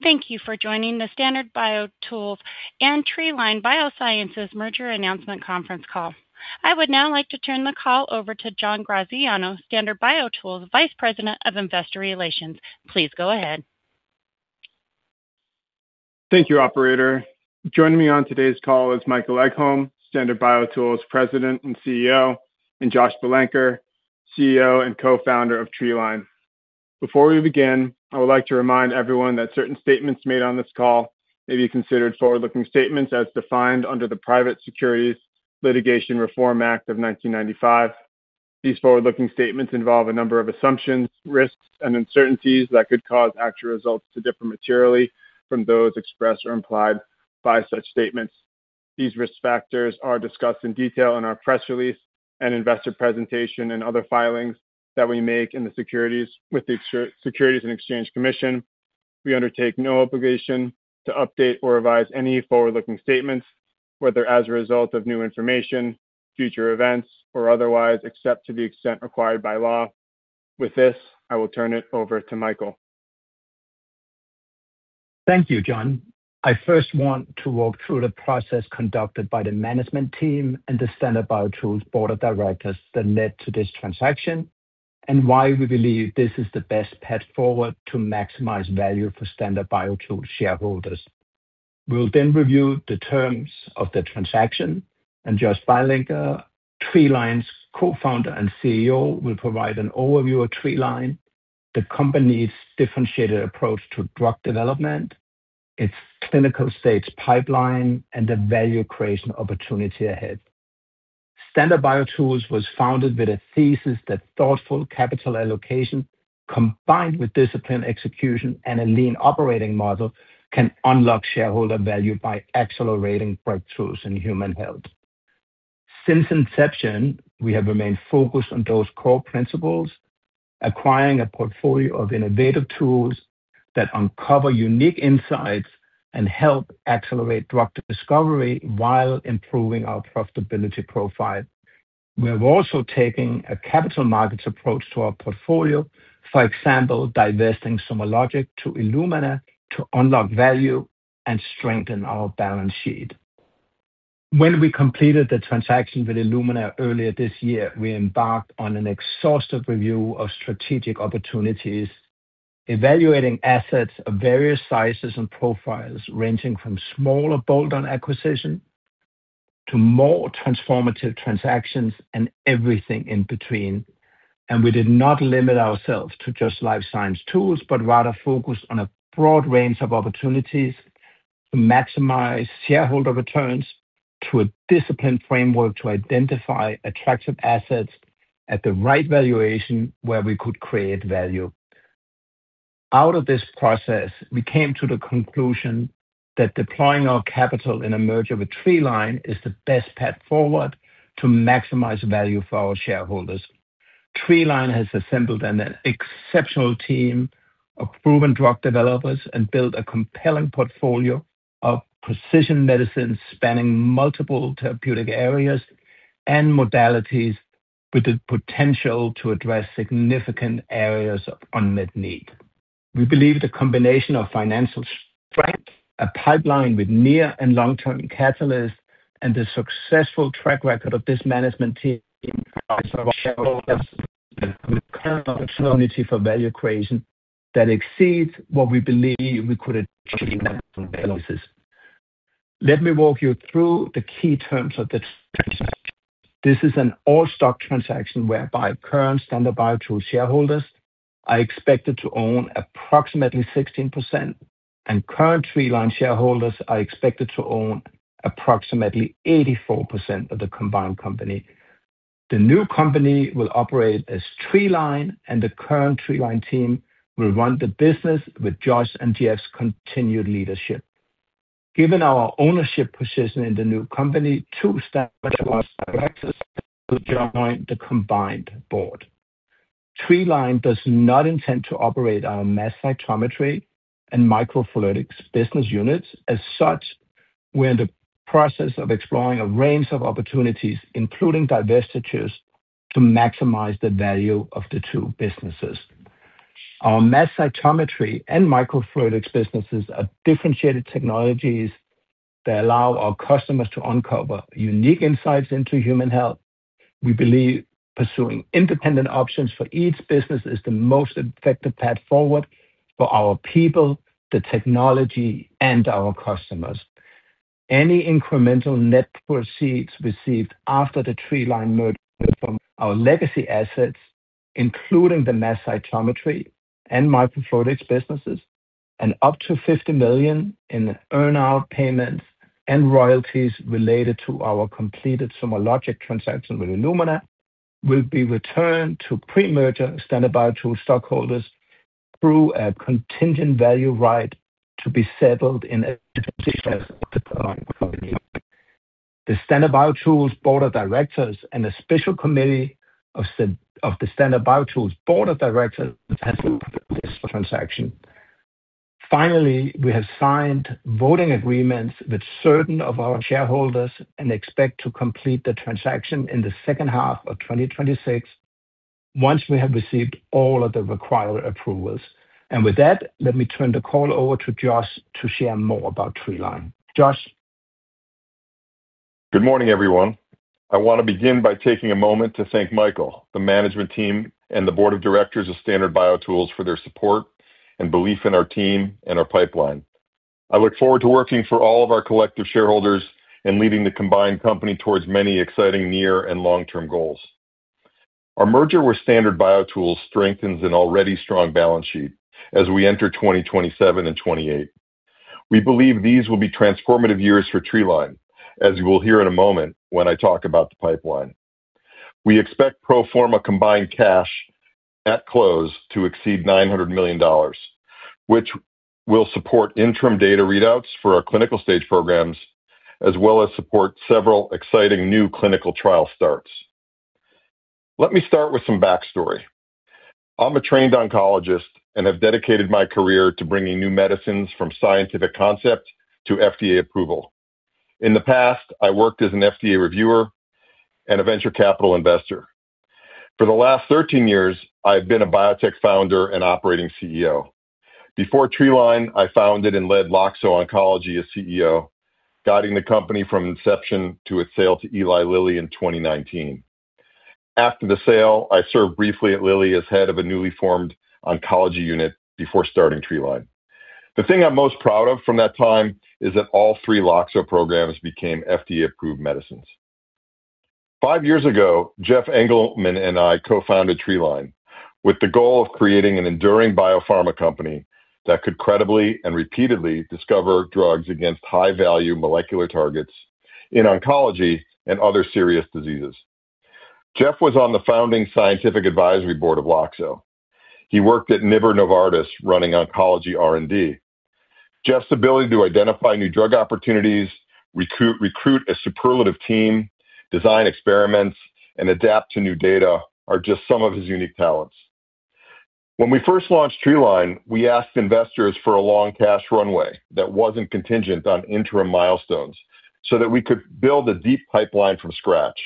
Thank you for joining the Standard BioTools and Treeline Biosciences merger announcement conference call. I would now like to turn the call over to John Graziano, Standard BioTools Vice President of Investor Relations. Please go ahead. Thank you, operator. Joining me on today's call is Michael Egholm, Standard BioTools President and CEO, and Josh Bilenker, CEO and Co-Founder of Treeline. Before we begin, I would like to remind everyone that certain statements made on this call may be considered forward-looking statements as defined under the Private Securities Litigation Reform Act of 1995. These forward-looking statements involve a number of assumptions, risks, and uncertainties that could cause actual results to differ materially from those expressed or implied by such statements. These risk factors are discussed in detail in our press release and investor presentation and other filings that we make with the Securities and Exchange Commission. We undertake no obligation to update or revise any forward-looking statements, whether as a result of new information, future events, or otherwise, except to the extent required by law. With this, I will turn it over to Michael. Thank you, John. I first want to walk through the process conducted by the management team and the Standard BioTools board of directors that led to this transaction, and why we believe this is the best path forward to maximize value for Standard BioTools shareholders. We'll then review the terms of the transaction, and Josh Bilenker, Treeline's Co-Founder and CEO, will provide an overview of Treeline, the company's differentiated approach to drug development, its clinical-stage pipeline, and the value creation opportunity ahead. Standard BioTools was founded with a thesis that thoughtful capital allocation, combined with disciplined execution and a lean operating model, can unlock shareholder value by accelerating breakthroughs in human health. Since inception, we have remained focused on those core principles, acquiring a portfolio of innovative tools that uncover unique insights and help accelerate drug discovery while improving our profitability profile. We have also taken a capital markets approach to our portfolio, for example, divesting SomaLogic to Illumina to unlock value and strengthen our balance sheet. When we completed the transaction with Illumina earlier this year, we embarked on an exhaustive review of strategic opportunities, evaluating assets of various sizes and profiles, ranging from smaller bolt-on acquisition to more transformative transactions and everything in between. We did not limit ourselves to just life science tools, but rather focused on a broad range of opportunities to maximize shareholder returns through a disciplined framework to identify attractive assets at the right valuation where we could create value. Out of this process, we came to the conclusion that deploying our capital in a merger with Treeline is the best path forward to maximize value for our shareholders. Treeline has assembled an exceptional team of proven drug developers and built a compelling portfolio of precision medicines spanning multiple therapeutic areas and modalities with the potential to address significant areas of unmet need. We believe the combination of financial strength, a pipeline with near and long-term catalysts, and the successful track record of this management team offers shareholders a compelling opportunity for value creation that exceeds what we believe we could achieve on our own. Let me walk you through the key terms of this transaction. This is an all-stock transaction whereby current Standard BioTools shareholders are expected to own approximately 16%, and current Treeline shareholders are expected to own approximately 84% of the combined company. The new company will operate as Treeline, and the current Treeline team will run the business with Josh and Jeff's continued leadership. Given our ownership position in the new company, two Standard directors will join the combined board. Treeline does not intend to operate our mass cytometry and microfluidics business units. As such, we're in the process of exploring a range of opportunities, including divestitures, to maximize the value of the two businesses. Our mass cytometry and microfluidics businesses are differentiated technologies that allow our customers to uncover unique insights into human health. We believe pursuing independent options for each business is the most effective path forward for our people, the technology, and our customers. Any incremental net proceeds received after the Treeline merger from our legacy assets, including the mass cytometry and microfluidics businesses, and up to $50 million in earn-out payments and royalties related to our completed SomaLogic transaction with Illumina, will be returned to pre-merger Standard BioTools stockholders through a contingent value right to be settled in a transition as part of the combined company. The Standard BioTools board of directors and a special committee of the Standard BioTools board of directors has approved this transaction. Finally, we have signed voting agreements with certain of our shareholders and expect to complete the transaction in the second half of 2026, once we have received all of the required approvals. With that, let me turn the call over to Josh to share more about Treeline. Josh? Good morning, everyone. I want to begin by taking a moment to thank Michael, the management team, and the board of directors of Standard BioTools for their support and belief in our team and our pipeline. I look forward to working for all of our collective shareholders and leading the combined company towards many exciting near and long-term goals. Our merger with Standard BioTools strengthens an already strong balance sheet as we enter 2027 and 2028. We believe these will be transformative years for Treeline, as you will hear in a moment when I talk about the pipeline. We expect pro forma combined cash at close to exceed $900 million, which will support interim data readouts for our clinical stage programs, as well as support several exciting new clinical trial starts. Let me start with some backstory. I'm a trained oncologist and have dedicated my career to bringing new medicines from scientific concept to FDA approval. In the past, I worked as an FDA reviewer and a venture capital investor. For the last 13 years, I've been a biotech founder and operating CEO. Before Treeline, I founded and led Loxo Oncology as CEO, guiding the company from inception to its sale to Eli Lilly in 2019. After the sale, I served briefly at Lilly as head of a newly formed oncology unit before starting Treeline. The thing I'm most proud of from that time is that all three Loxo programs became FDA-approved medicines. Five years ago, Jeff Engelman and I co-founded Treeline with the goal of creating an enduring biopharma company that could credibly and repeatedly discover drugs against high-value molecular targets in oncology and other serious diseases. Jeff was on the founding scientific advisory board of Loxo. He worked at NIBR Novartis running oncology R&D. Jeff's ability to identify new drug opportunities, recruit a superlative team, design experiments, and adapt to new data are just some of his unique talents. When we first launched Treeline, we asked investors for a long cash runway that wasn't contingent on interim milestones so that we could build a deep pipeline from scratch.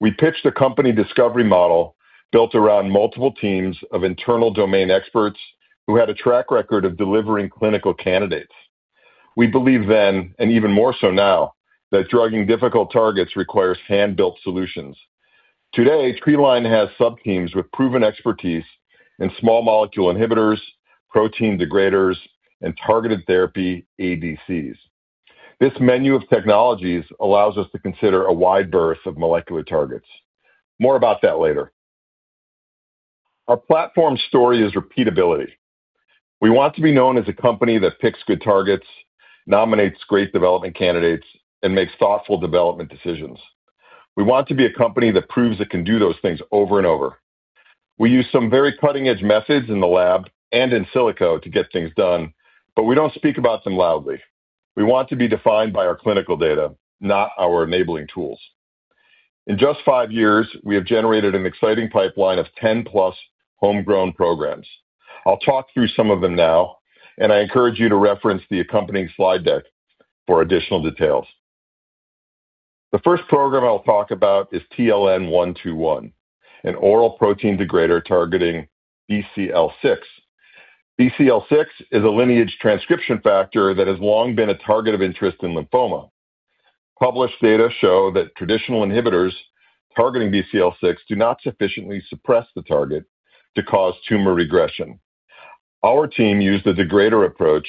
We pitched a company discovery model built around multiple teams of internal domain experts who had a track record of delivering clinical candidates. We believed then, and even more so now, that drugging difficult targets requires hand-built solutions. Today, Treeline has sub-teams with proven expertise in small molecule inhibitors, protein degraders, and targeted therapy ADCs. This menu of technologies allows us to consider a wide berth of molecular targets. More about that later. Our platform story is repeatability. We want to be known as a company that picks good targets, nominates great development candidates, and makes thoughtful development decisions. We want to be a company that proves it can do those things over and over. We use some very cutting-edge methods in the lab and in silico to get things done, we don't speak about them loudly. We want to be defined by our clinical data, not our enabling tools. In just five years, we have generated an exciting pipeline of 10-plus homegrown programs. I'll talk through some of them now, and I encourage you to reference the accompanying slide deck for additional details. The first program I'll talk about is TLN-121, an oral protein degrader targeting BCL6. BCL6 is a lineage transcription factor that has long been a target of interest in lymphoma. Published data show that traditional inhibitors targeting BCL6 do not sufficiently suppress the target to cause tumor regression. Our team used the degrader approach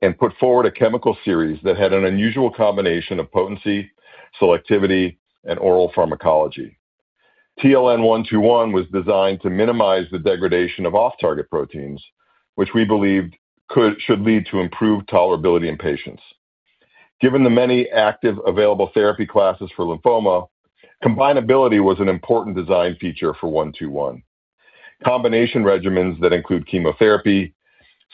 and put forward a chemical series that had an unusual combination of potency, selectivity, and oral pharmacology. TLN-121 was designed to minimize the degradation of off-target proteins, which we believed should lead to improved tolerability in patients. Given the many active available therapy classes for lymphoma, combinability was an important design feature for 121. Combination regimens that include chemotherapy,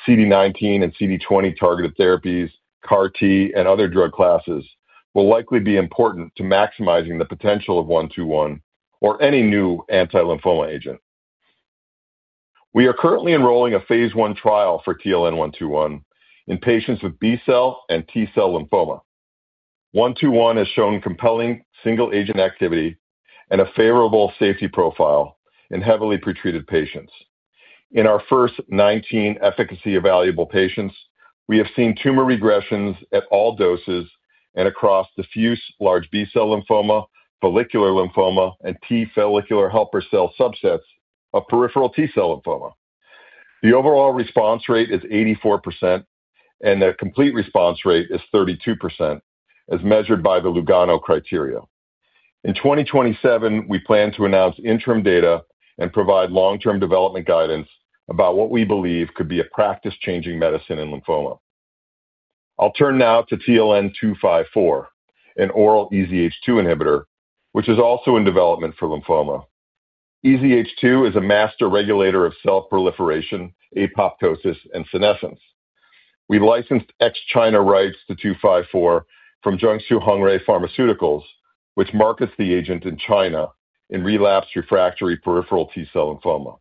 CD19 and CD20 targeted therapies, CAR T, and other drug classes will likely be important to maximizing the potential of 121 or any new anti-lymphoma agent. We are currently enrolling a phase I trial for TLN-121 in patients with B-cell and T-cell lymphoma. 121 has shown compelling single-agent activity and a favorable safety profile in heavily pretreated patients. In our first 19 efficacy-evaluable patients, we have seen tumor regressions at all doses and across diffuse large B-cell lymphoma, follicular lymphoma, and T follicular helper cell subsets of peripheral T-cell lymphoma. The overall response rate is 84%, and the complete response rate is 32%, as measured by the Lugano criteria. In 2027, we plan to announce interim data and provide long-term development guidance about what we believe could be a practice-changing medicine in lymphoma. I'll turn now to TLN-254, an oral EZH2 inhibitor, which is also in development for lymphoma. EZH2 is a master regulator of cell proliferation, apoptosis, and senescence. We licensed ex-China rights to 254 from Jiangsu Hengrui Pharmaceuticals, which markets the agent in China in relapsed refractory peripheral T-cell lymphoma.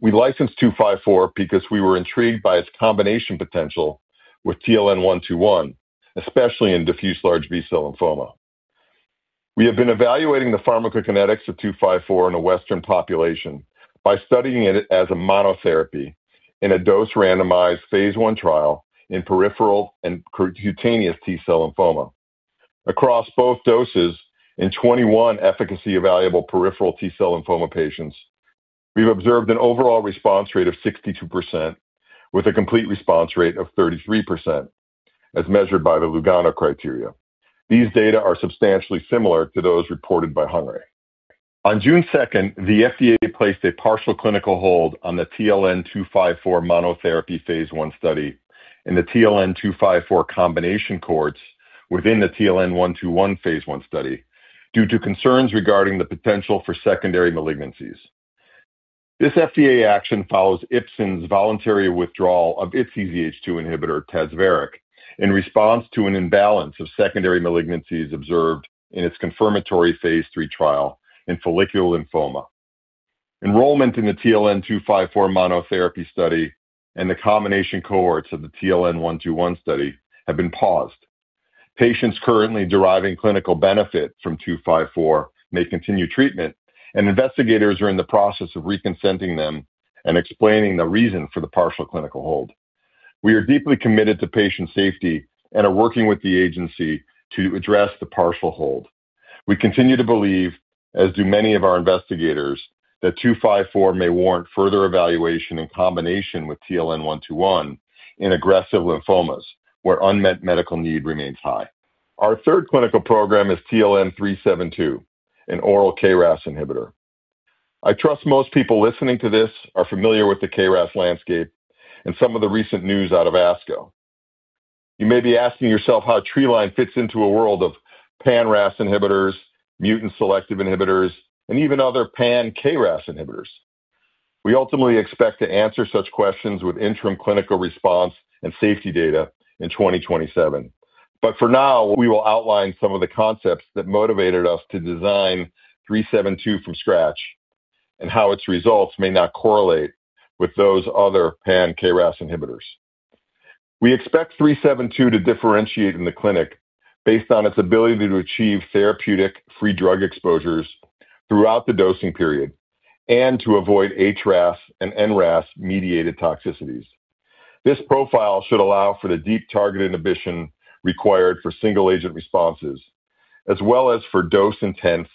We licensed 254 because we were intrigued by its combination potential with TLN-121, especially in diffuse large B-cell lymphoma. We have been evaluating the pharmacokinetics of 254 in a Western population by studying it as a monotherapy in a dose-randomized phase I trial in peripheral and cutaneous T-cell lymphoma. Across both doses, in 21 efficacy-evaluable peripheral T-cell lymphoma patients, we've observed an overall response rate of 62% with a complete response rate of 33%, as measured by the Lugano criteria. These data are substantially similar to those reported by Hengrui. On June 2nd, the FDA placed a partial clinical hold on the TLN-254 monotherapy phase I study and the TLN-254 combination cohorts within the TLN-121 phase I study due to concerns regarding the potential for secondary malignancies. This FDA action follows Ipsen's voluntary withdrawal of its EZH2 inhibitor, TAZVERIK, in response to an imbalance of secondary malignancies observed in its confirmatory phase III trial in follicular lymphoma. Enrollment in the TLN-254 monotherapy study and the combination cohorts of the TLN-121 study have been paused. Patients currently deriving clinical benefit from 254 may continue treatment, and investigators are in the process of re-consenting them and explaining the reason for the partial clinical hold. We are deeply committed to patient safety and are working with the agency to address the partial hold. We continue to believe, as do many of our investigators, that 254 may warrant further evaluation in combination with TLN-121 in aggressive lymphomas where unmet medical need remains high. Our third clinical program is TLN-372, an oral KRAS inhibitor. I trust most people listening to this are familiar with the KRAS landscape and some of the recent news out of ASCO. You may be asking yourself how Treeline fits into a world of pan-RAS inhibitors, mutant-selective inhibitors, and even other pan-KRAS inhibitors. We also didn't expect to answer such questions with interim clinical response and safety data in 2027. For now, we will outline some of the concepts that motivated us to design 372 from scratch and how its results may not correlate with those other pan-KRAS inhibitors. We expect 372 to differentiate in the clinic based on its ability to achieve therapeutic free drug exposures throughout the dosing period and to avoid HRAS and NRAS-mediated toxicities. This profile should allow for the deep-target inhibition required for single-agent responses, as well as for dose-intense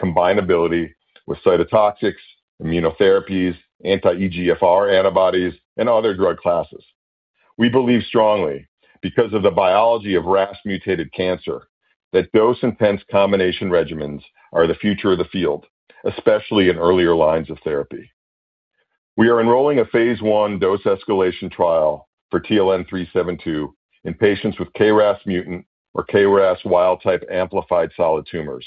combinability with cytotoxics, immunotherapies, anti-EGFR antibodies, and other drug classes. We believe strongly, because of the biology of RAS-mutated cancer, that dose-intense combination regimens are the future of the field, especially in earlier lines of therapy. We are enrolling a phase I dose-escalation trial for TLN-372 in patients with KRAS mutant or KRAS wild-type amplified solid tumors.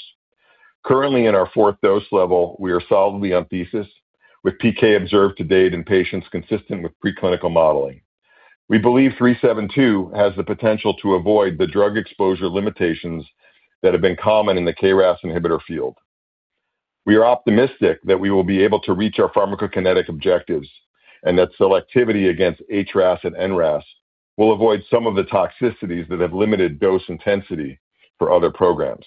Currently in our 4th dose level, we are solidly on thesis with PK observed to date in patients consistent with preclinical modeling. We believe 372 has the potential to avoid the drug exposure limitations that have been common in the KRAS inhibitor field. We are optimistic that we will be able to reach our pharmacokinetic objectives and that selectivity against HRAS and NRAS will avoid some of the toxicities that have limited dose intensity for other programs.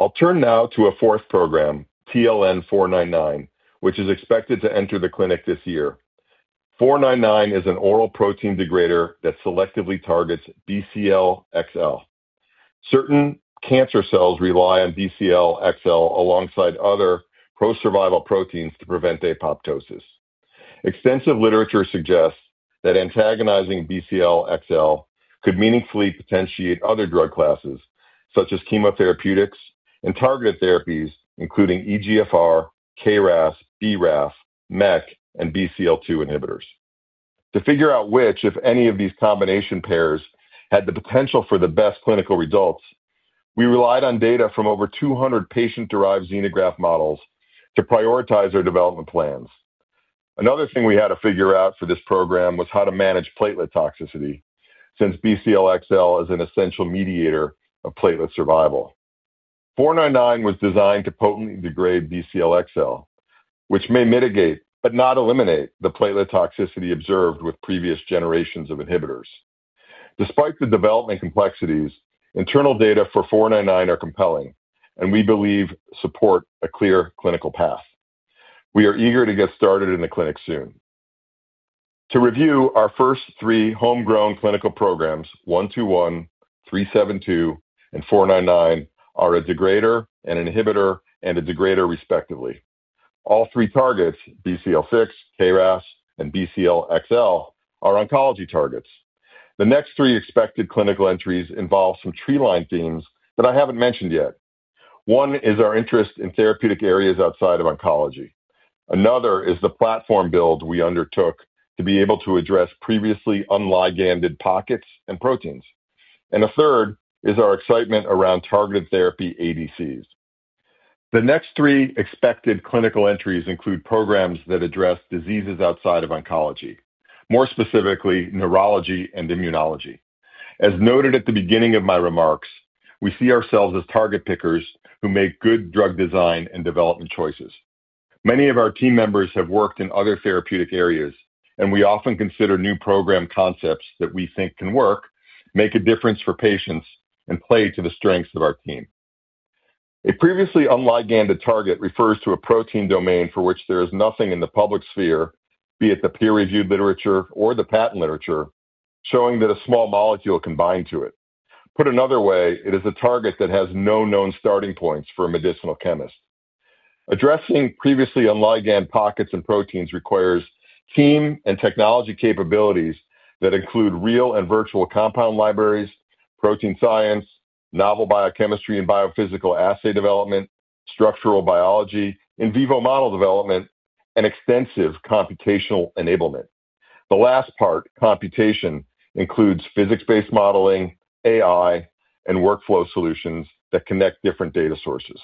I'll turn now to a fourth program, TLN-499, which is expected to enter the clinic this year. 499 is an oral protein degrader that selectively targets BCL-XL. Certain cancer cells rely on BCL-XL alongside other pro-survival proteins to prevent apoptosis. Extensive literature suggests that antagonizing BCL-XL could meaningfully potentiate other drug classes, such as chemotherapeutics and targeted therapies, including EGFR, KRAS, BRAF, MEK, and BCL2 inhibitors. To figure out which, if any, of these combination pairs had the potential for the best clinical results, we relied on data from over 200 patient-derived xenograft models to prioritize our development plans. Another thing we had to figure out for this program was how to manage platelet toxicity, since BCL-XL is an essential mediator of platelet survival. 499 was designed to potently degrade BCL-XL, which may mitigate but not eliminate the platelet toxicity observed with previous generations of inhibitors. Despite the development complexities, internal data for 499 are compelling and we believe support a clear clinical path. We are eager to get started in the clinic soon. To review, our first three homegrown clinical programs, 121, 372, and 499, are a degrader, an inhibitor, and a degrader, respectively. All three targets, BCL6, KRAS, and BCL-XL, are oncology targets. The next three expected clinical entries involve some Treeline themes that I haven't mentioned yet. One is our interest in therapeutic areas outside of oncology. Another is the platform build we undertook to be able to address previously unliganded pockets and proteins. A third is our excitement around targeted therapy ADCs. The next three expected clinical entries include programs that address diseases outside of oncology, more specifically neurology and immunology. As noted at the beginning of my remarks, we see ourselves as target pickers who make good drug design and development choices. Many of our team members have worked in other therapeutic areas, and we often consider new program concepts that we think can work, make a difference for patients, and play to the strengths of our team. A previously unliganded target refers to a protein domain for which there is nothing in the public sphere, be it the peer-reviewed literature or the patent literature, showing that a small molecule can bind to it. Put another way, it is a target that has no known starting points for a medicinal chemist. Addressing previously unliganded pockets and proteins requires team and technology capabilities that include real and virtual compound libraries, protein science, novel biochemistry and biophysical assay development, structural biology, in vivo model development, and extensive computational enablement. The last part, computation, includes physics-based modeling, AI, and workflow solutions that connect different data sources.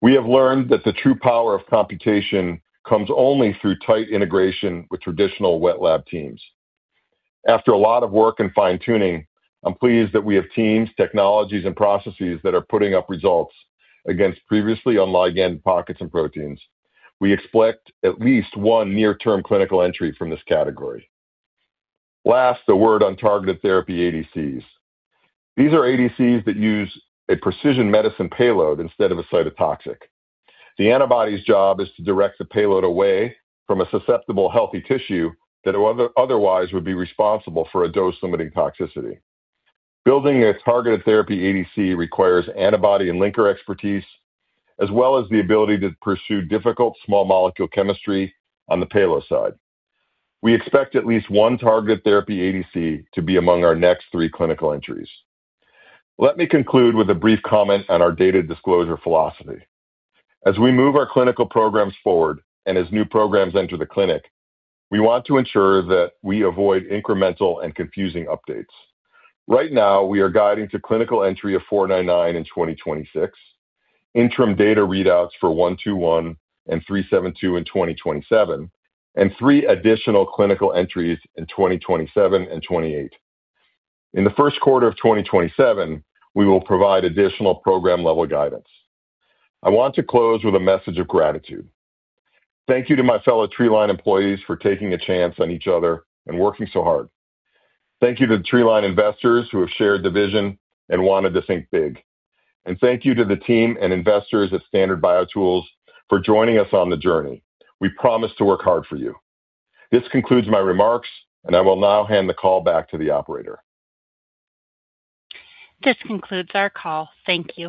We have learned that the true power of computation comes only through tight integration with traditional wet lab teams. After a lot of work and fine-tuning, I'm pleased that we have teams, technologies, and processes that are putting up results against previously unliganded pockets and proteins. We expect at least one near-term clinical entry from this category. Last, a word on targeted therapy ADCs. These are ADCs that use a precision medicine payload instead of a cytotoxic. The antibody's job is to direct the payload away from a susceptible healthy tissue that otherwise would be responsible for a dose-limiting toxicity. Building a targeted therapy ADC requires antibody and linker expertise, as well as the ability to pursue difficult small molecule chemistry on the payload side. We expect at least one targeted therapy ADC to be among our next three clinical entries. Let me conclude with a brief comment on our data disclosure philosophy. As we move our clinical programs forward and as new programs enter the clinic, we want to ensure that we avoid incremental and confusing updates. Right now, we are guiding to clinical entry of TLN-499 in 2026, interim data readouts for TLN-121 and TLN-372 in 2027, and three additional clinical entries in 2027 and 2028. In the first quarter of 2027, we will provide additional program-level guidance. I want to close with a message of gratitude. Thank you to my fellow Treeline employees for taking a chance on each other and working so hard. Thank you to Treeline investors who have shared the vision and wanted to think big. Thank you to the team and investors at Standard BioTools for joining us on the journey. We promise to work hard for you. This concludes my remarks, and I will now hand the call back to the operator. This concludes our call. Thank you.